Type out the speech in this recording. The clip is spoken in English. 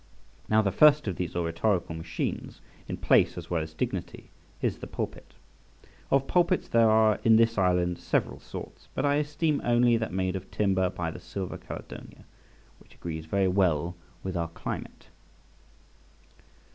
Now, the first of these oratorical machines, in place as well as dignity, is the Pulpit. Of pulpits there are in this island several sorts, but I esteem only that made of timber from the Sylva Caledonia, which agrees very well with our climate.